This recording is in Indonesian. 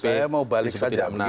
saya mau balik saja